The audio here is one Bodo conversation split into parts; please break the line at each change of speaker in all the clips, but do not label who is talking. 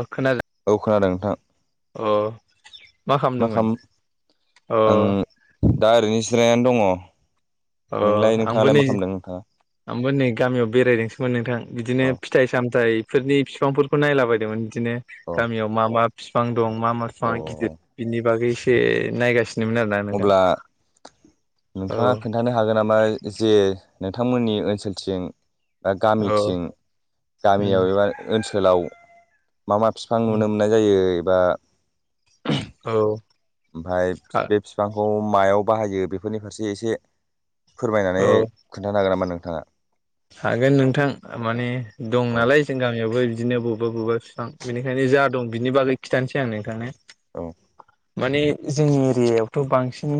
अ खोनादों
औ खोनादों नोंथां
अ
मा खालाम
अ
आं दा ओरैनो सिरायना दङ'
अ
नोंलाय
आंबो
नोंथाङालाय
नै
मा खालामदों नोंथाङा
आंबो नै गामियाव बेरायदोंसोममोन नोंथां बिदिनो
अ
फिथाइ सामथाइ फोरनि फिफांफोरखौ नायलाबायदोंमोन बिदिनो
अ
गामियाव मा मा फिफां दं मा मा
अ
फिफाङा गिदिर बिनि बागै एसे नायगासिनो
अब्ला
औ
नोंथाङा खोन्थानो हागोन नामा जे नोंथांमोननि ओनसोलथिं बा
औ
गामिथिं गामियाव
उम
एबा ओनसोलाव मा मा बिफां नुनो मोननाय जायो एबा
औ
ओमफाय बे फिफांखौ मायाव बाहायो बेफोरनि फारसे एसे फोरमायनानै
औ
खोनथानो हागोन नामोन नोंथाङा?
हागोन नोंथां माने दं
औ
नालाय जों गामियावबो बिदिनो बबे बबेबा बिफां बेनिखायनो जा दं बिनि बागै खिथानोसै आं नोंथांनो।
औ
माने जोंनि एरियायावथ' बांसिन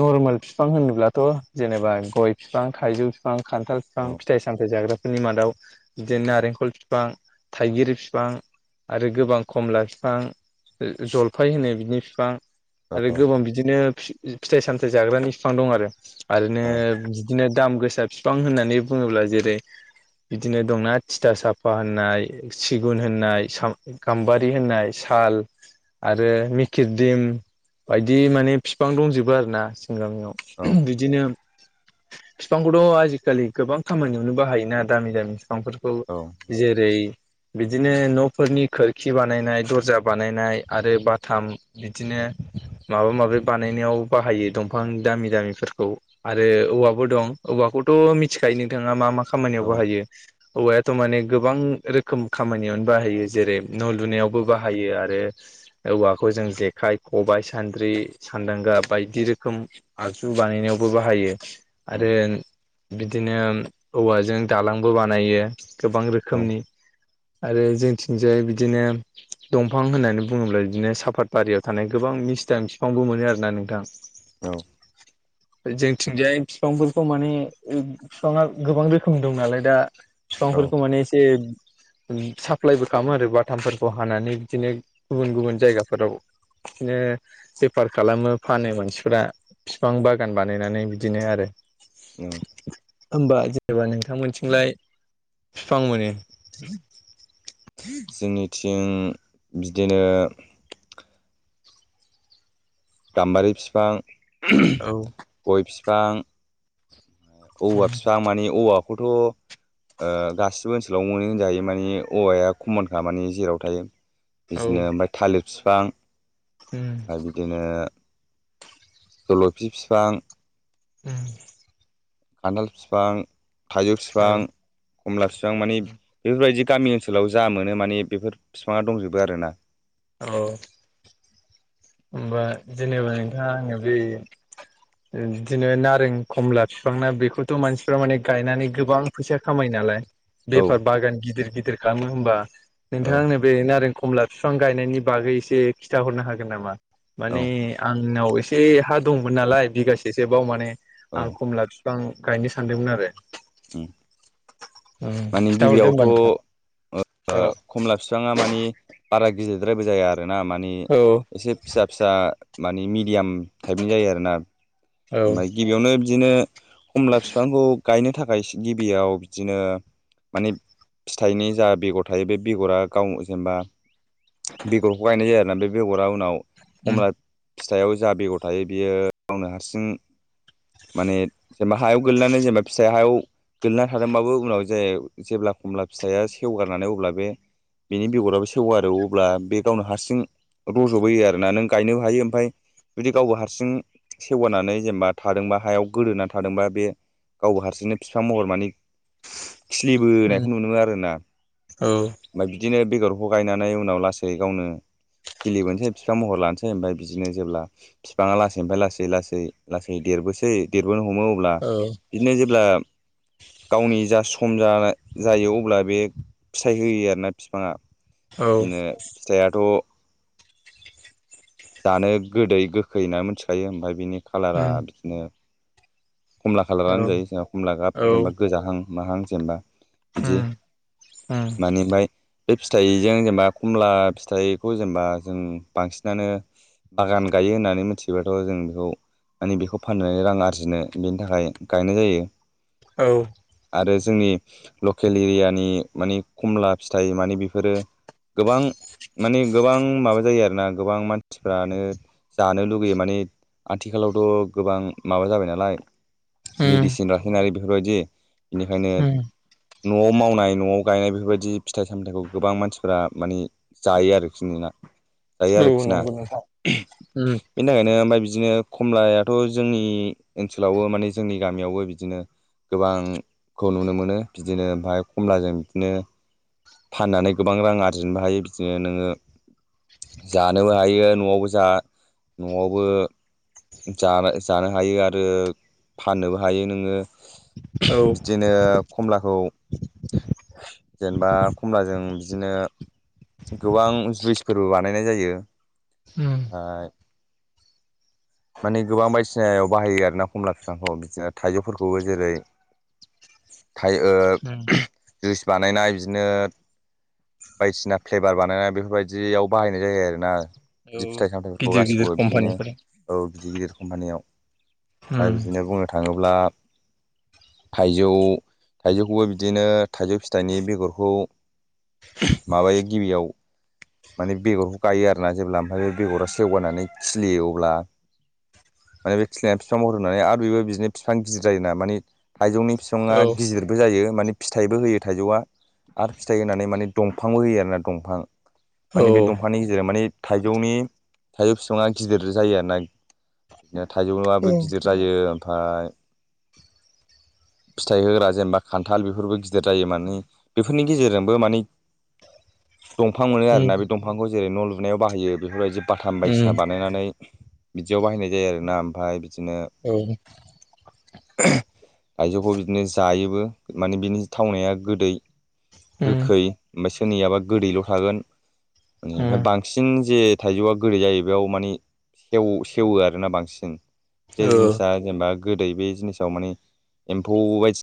नरमेल फिफां होनोब्लाथ' जेनेबा गय फिफां फिफां थाइजौ फिफां खान्थाल फिफां
औ
फिथाइ सामथाय जाग्राफोरनि मादाव बिदिनो नारेंखल फिफां थाइगिर फिफां आरो गोबां खमला बिफां जलफाय होनो बिनि फ फिफां
औ
आरो
औ
गोबां बिदिनो फिथाइ-सामथाइ जाग्रानि फिफां दं आरो आरोनो
औ
बिदिनो दाम गोसा फिफां होननानै बुङोब्ला जेरै बिदिनो दंना थिथा साफा होननाय सिगुन होननाय सा गाम्बारि होननाय थाल आरो मिकिरदिम बायदि माने फिफां दंजोबो आरो ना गामियाव
औ
बिदिनो फिफांखौथ' आजिखालि गोबां खामानियावनो बाहायोना दामि दामि फिफांफोरखौ जेरै बिदिनो न'फोरनि खोरखि बानायनाय दर्जा बानायनाय आरो बाथाम बिदिनो माबा माबि बानायनायाव बाहायो दंफां दामि दामिफोरखौ आरो औवाबो दं औवाखौथ' मिथिखायो नोंथाङा मा मा खामानियाव बाहायो औवायाथ' माने गोबां रोखोम खामानियावनो बाहायो जेरै न' लुनायावबो बाहायो आरो औवाखौ जों जेखाइ, ख'बायाइ सान्द्रि सान्दांगा बायदि रोखोम आगजु बानायनायावबो बाहायो आरो बिदिनो औवाजों दालांबो बानायो गोबां
औ
रोखोमनि आरो जोंथिंजाय बिदिनो दंफां होननानै बुङोब्ला बिदिनो साफात बारियाव थानाय गोबां मिस्टाइम बिफांबो मोनो आर ना नोंथां
औ
जोंथिंजाय फिफांफोरखौ माने फिफाङा गोबां रोखोमनि दं नालाय दा
औ
फिफांफोरखौ माने एसे साप्लायबो खामो आरो बाथामफोरखौ हानानै बिदिनो गुबुन गुबुन जायगाफोराव बिदिनो बेफार खालामो फानो मानसिफोरा फिफां बागान बानायनानै बिदिनो आरो
औ
होमबा जेनेबा नोंथांमोनथिंलाय फिफां मोनो
जोंनिथिं बिदिनो गाम्बारि फिफां
औ
गय फिफां औवा फिफां मानि औवाखौथ' ओ गासिबो ओनसोलाव मोनै होनजायो मानि औवाया खमनखा माने जेराव थायो
औ
बिदिनो ओमफाय थालिर फिफां आरो बिदिनो जल'फि फिफां
ओम
खान्थाल फिफां, थाइजौ
औ
फिफां, खमला फिफां मानि बेफोरबायदि गामि ओनसोलाव जा मोनो मानि बेफोर फिफाङा दंजोबो आरो ना
औ होमबा जेनेबा नोंथाङा आङो बै बिदिनो नारें खमला फिफां ना बेखौथ' मानसिफ्रा माने गायनानै गोबां फैसा खामायो नालाय
औ
बेफार बागान गिदिर गिदिर खालामो होमबा
औ
नोंथाङा आंनो बे नारें खमला फिफां गायनायनि बागै एसे खिथाहरनो हागोन नामा
औ
माने आंनाव इसे से हा दंमोन नालाय बिगासेसो बाव माने आं
औ
खमला फिफां गायनो सानदोंमोन आरो
ओम
उम
माने
खिथाहरदो होमबा नोंथां
गिबियावथ' ओ
औ
खमला बिफाङा मानि बारा गिदिरद्रायबो जाया आरोना माने
औ
इसे फिसा फिसा माने मिडियाम टाइपनि जायो आरोना ओमफाय गिबियावनो बिदिनो खमला फिफांखौ गायनो थाखाय गिबियाव बिदिनो माने फिथाइनि जा बेगर थायो बे बेगरा गाव जेनेबा बेगरखौ गायनाय जायो आरोना बे बेगरा उनाव
उम
खमला फिथाइयाव जा बेगर थायो बियो गावनो हारसिं माने जेनेबा हायाव गोगलैनानै जेनेबा फिसाइ हायाव गोलैना थादोंबाबो उनाव जे जेब्ला खमला फिसाया सेवगारनानै अब्ला बे बेनि बेगराबो सेवो आरो अब्ला बे गावनो हारसिं रज'बोयो आरोना नों गायनोबो हायो ओमफफ्राय जुदि गावबो हारसिं सेेवगानानै जेनेबा थादोंबा हायाव गोदोनानै थादोंबा बे गावबो हारसिंनो बिफां महर मानि
उम
खिलिबोनायखौ नुनो मोनो आरोना
औ
ओमफ्राय बिदिनो बेगरखौ गायनानै उनाव लासै गावनो खिलिबोनसै बिफां महर लानोसै ओमफफ्राय बिदिनो जेब्ला बिफाङा लासैनिफ्राय लासै लासै लासै लासै देरबोसै देरबोनो हमो अब्ला बिदिनो जेब्ला गावनि जा सम जायो अब्ला बे फिथाइ होयो आरोना बिफाङा
औ
बिदिनो फिथायाथ' जानो गोदै गोखै होनना मिथिखायो ओमफफ्राय बिनि कालारा
उम
बिदिनो खमला
औ
खालारानो जायो जेनबा खमला गाब जेनेबा गोजाहां माहां जेनेबा बिदि
उम उम
मानिमाय बे फिथाइजों जेनेबा खमला फिथाइखौ जेनेबा जों बांसिनानो बागान गायो होननानै मिथिबाथ' जों बेखौ माने बेखौ फाननानै रां आरजिनो बेनि थाखाय गायनाय जायो
औ
आरो जोंनि लकेल एरियानि मानि खमला फिथाइ माने बेफोरो गोबां माने गोबां माबा जायो आरोना गोबां मानसिफ्रानो जानो लुगैयो माने आथिखालावथ' गोबां माबा जाबाय नालाय
उम
मेडिसिन रासायनारि बेफोरबायदि बेनिखायनो
उम
न'आव मावनाय न'आव गायनाय बेफोरबायदि फिथाइ सामथायाइखौ गोबां मानसिफोरा माने जायो आरोखि नों दायो
औ
आरोखि ना
नंगौ नोंथां उम
बेनि थाखायनो ओमफ्राय बिदिनो खमलायाथ' जोंनि ओनसोलावबो माने जोंनि गामियावबो बिदिनो गोबांखौ नुनो मोनो बिदिनो ओमफफ्राय खमलाजों बिदिनो फाननानै गोबां रां आरजिनोबो हायो बिदिनो नोङो जानोबो हायो न'आवबो जा न'आवबो जा जानो हायो आरो फाननोबो हायो नोङो
औ
बिदिनो खमलाखौ जेनेबा खमब्लाजों बिदिनो गोबां जुइसफोरबो बानायनाय जायो
उम
ओमफ्राय [inaudible] माने गोबां बायदिसिनायाव बाहायो आरोना खमला बिफांखौ बिदिनो थाइजौफोरखौबो जेरै
उम
जुइस बानायनाय बिदिनो बायदिसिना फ्लेभार बानायनाय बेफोरबायदियाव बाहायनाय जायो आरोना
औ
गिदिर फिथाइ सामथायाइफोरखौ
गिदिर गिदिर
गासिखौबो बिदिनो
कम्पानिफोरा
औ गिदिर गिदिर कम्पानियाव ओमफफ्राय
उम
बिदिनो बुंनो थाङोब्ला थाइजौ थाइजौखौबो बिदिनो थाइजौ फिथाइनि बेगरखौ माबायो गिबियाव माने बेगरखौ गायो आरोना जेब्ला ओमफ्राय बे बेगरा सेवगारनानै खिलियो अब्ला माने बे खिलिनाया बिफां हरनानै आरो बेबो बिदिनो बिफां गिदिर जायोना माने आइजौनि बिफाङा
औ
गिदिरबो जायो माने फिथाइबो होयो थाइजौआ आरो फिथाइ होनानै माने दंफांबो होयो आरोना दंफां
औ
माने बे दंफांनि गेजेराव माने थाइजौनि थाइजौ बिफाङा गिदिर जायो आरोना बिदिनो थाइजौ नाबो गिदिर जायो ओमफफ्राय फिथाइ होग्रा जेनेबा खान्थाल बेफोरबो गिदिर जायो माने बेफोरनि गेजेरजोंबो माने [inaudible] दंफां मोनो
उम
आरोना बे दंफांखौ जेरै न' लुनायाव बाहायो बेफोरबायदि बाथाम बायदिसिना
उम
बानायनानै बिदियाव बाहायनाय जायो आरोना ओमफ्राय
ओ
थायजौखौ बिदिनो जायोबो माने बिनि थावनाया गोदै [inaudible]
उम
ओमफ्राय
उम
बांसिन जे थाइजौआ गोदै जायो बेयाव मानि सेव सेवो आरोना बांसिन जे
ओ
जिनिसा जेनेबा गोदै बे जिनिसाव माने एम्फौ बायदि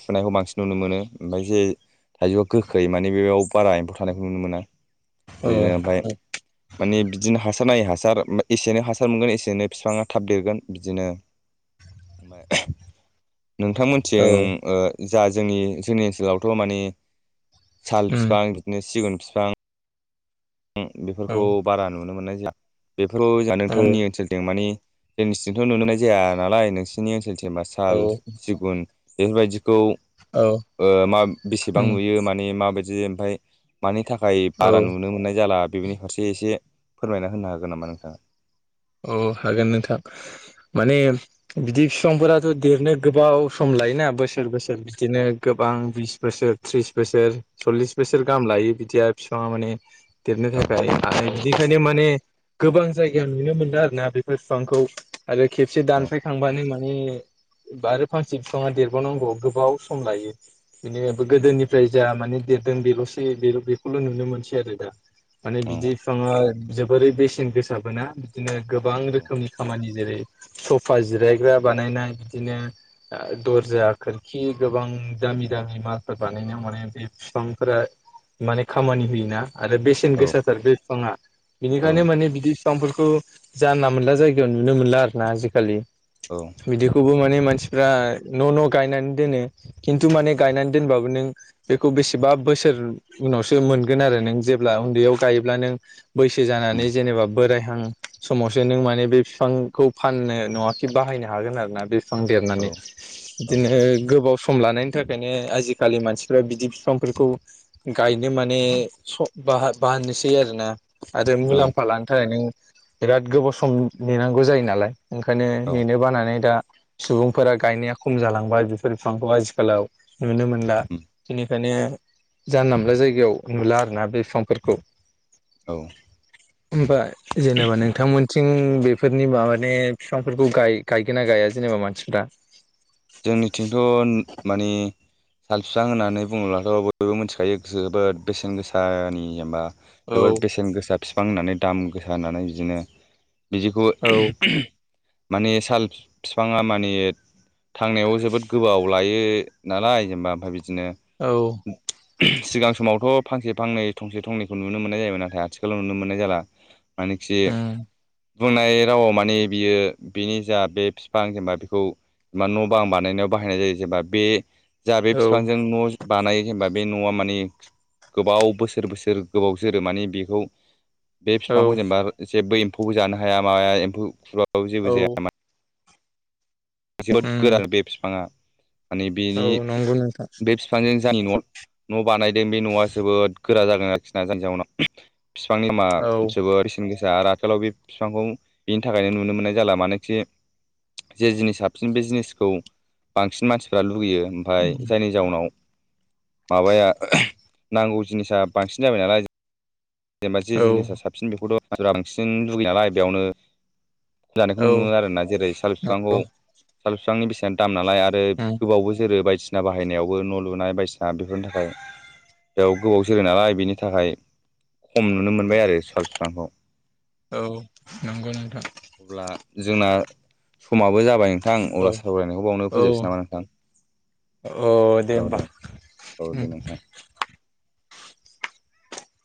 सुनायखौ बांसिन नुनो मोनो ओमफ्राय जे थाइजौआ गोखै माने बेयाव बारा एम्फौ थानायखौ नुनो मोना
अ
बिदिनो ओमफ्राय माने बिदिनो हासार नायै हासार एसेैनो हासार मोनगोन एसेनै बिफाङा थाब देरगोन बिदिनो ओमफाय
औ
नोंथांमोनथिं ओ जा जोंनि जोंनि ओनसोलावथ' मानि साल
उम
बिफां बिदिनो सिगुन बिफां
औ
बेफोरखौ बारा नुनो मोननाय जाया बेफोराव जों
औ
नोंथांमोननि ओनसोलथिं मानि जोंनिथिंथ' नुनाय जाया नालाय नोंसिनि ओनसोलथि बा साल
औ
सिगुन बेफोरबायदिखौ ओ मा बेसेबां
उम
नुयो मानि माबायदि ओमफ्राय मानि था खाय
औ
बारा नुनो मोननाय जाला बेनि फारसे एसे फोरमायना होनो हागोन नामा नोंथां
औ हागोन नोंथां माने बिदि फिफांफोराथ' देरनो गोबाव सम लायोना बोसोर बोसोर बिदिनो गोबां बिस बोसोर त्रिस बोसोर सल्लिस बोसोर गाहाम लायो बिदिया बिफाङा माने देरनो
औ
थाखाय आरो बिनिखायनो माने गोबां जायगायाव नुनो मोनो आरो ना बेफोर बिफांखौ आरो खेबसे
औ
दानफायखांबानो माने बा आरो फांसे बिफाङा देरबावनांगौ गोबाव सम लायो बिदि गोदोनिफ्राय जा माने देरदों बेल'सै बेखौल' नुनो मोनसै आरो दा माने
औ
बिदि बिफाङा जोबोरै बेसेन गोसाबोना बिदिनो गोबां
औ
रोखोमनि खामानि जेरै सफा जिरायग्रा बानायनाय बिदिनो दर्जा खोरखि गोबां दामि दामि मालफोर बानायनायाव माने बे बिफांफोरा माने खामानि होयोना आरो बेसेन
औ
गोसाथार बे बिफाङा बिनिखायनो माने बिदि बिफांफोरखौ जानला मोनला जायगायाव नुनो मोनला आरो ना आजिखालि बिदिखौबो माने मानसिफ्रा न' न' गायनानै दोनो खिनथु माने गायनानै दोनबाबो नों बेखौ बेसेबा बो सोर उनावसो मोनगोन आरो नों जेब्ला उन्दैयाव गायोब्ला नों बैसो जानानै जेनेबा बोरायहां समावसो नों माने बे फिफांखौ फाननो नङाखि बाहायनो हागोन आरो ना बे बिफां देरनानै
औ
बिदिनो गोबाव सम लानायनि थाखायनो आजिखालि मानसिफ्रा बिदि बिफांफोरखौ गायनो माने बाह बाहनोसै आरोना आरो मुलाम्फा लानो थाखाय नों बिराद गोबाव सम नेनांगौ जायो नालाय ओंखायनो
औ
नेनो बानानै दा सुबुंफोरा गायनाया खम जालांबाय बेफोर बिफांखौ आथिखालाव नुनो मोनला बिनिखायनो जानला मोनला जायगायाव नुला आरो ना बे बिफांफोरखौ
औ
ओमफ्राय जेनेबा नोंथांमोनथिं बेफोरनि मा माने बिफांफोरखौ गायगोन ना गाया जेनेबा मानसिफ्रा
जोंनिथिंथ' माने साल बिफां होननानै बुङोब्लाथ' बयबो मिथिखायो गोसो जोबोद बेसेन गोसानि जेनबा
औ
जोबोर बेसेन गोसा बिफां होननानै दाम गोसा होननानै बिदिनो बिदिखौ
औ
माने साल बिफाङा माने थांनायाव जोबोद गोबाव लायो नालाय जेनेबा ओमफ्राय बिदिनो
औ
सिगां समावथ' फांसे फांनै थंसे थंनैखौ नुनो मोननाय जायोमोन नाथाय आथिखालाव नुनो मोननाय जाला मानो खि
उम
बुंनाय रावाव माने बियो बिनि जा बे बिफां जेनेबा बेखौ न' बांं बानायनायाव बाहायनाय जायो जेनबा बे जा बे
औ
बिफांजों न' बानायो जेनेबा बे न'आ मानिे गोबाव बोसोर बोसोर गोबाव जोरो माने बेखौ बे फिफांखौ
औ
जेनेबा जेबो एम्फौबो जानो हाया माबाया एम्फौ खुराबो जेबो
औ
जाया माने जोबोद
उम
गोराल बे फिफाङा माने
औ
बेनि
नंगौ नोंथां
बे फिफांजों [unintelligible] न'आव न' बानायदों बे न'आ जोबोद गोरा जागोन आरोखिना [unintelligible] जाउनाव फिफांनि मा
औ
जोबोर बेसेन गोसा‌ आरो आथिखालाव बे फिफांखौ बिनि थाखायनो नुनो मोननाय जाला मानोखि जे जिनिसा साबसिन बे जिनिसखौ बांसिन मानसिफ्रा लुुबैयो ओमफाय जायनि जाउनाव माबाया नांगौ जिनिसा बांसिन जाबाय नालाय जेनेबा जे
औ
जिनिसा साबसिन बेखौथ' [unintelligible] बांसिन लुगैयो नालाय बेयावनो जानायखौ
औ
नुनो मोनो आरोना जेरै साल फिफांखौ
नंगौ
साल फिफांनि बेसेना दामना नालाय आरो
उम
गोबावबो जोरो बायदिसिना बाहायनायावबो न' लुनाय बायदिसिना बेफोरनि थाखाय बेयाव गोबाव जोरो नालाय बेनि थाखाय खम नुनो मोनबाय आरो साल फिफांखौ
औ नंगौ नोंथां
अब्ला जोंना समाबो जाबाय नोंथां अला
औ
सावरायनायखौ बावनो
औ
फोजोबनोसै नामा नोंथां
अ दे होमबा
औ दे नोंथां